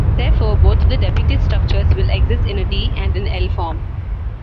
Therefore, both of the depicted structures will exist in a D- and an L-form.